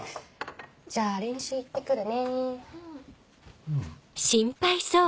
じゃあ練習いってくるね。